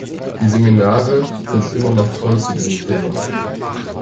Die Seminare sind immer noch voll zu diesem Thema.